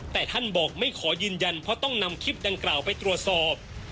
แต่ท่านบอกไม่ขอยืนยันเพราะต้องนำคลิปดังกล่าวไปตรวจสอบ